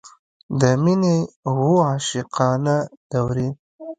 د مینې اوه عاشقانه دورې.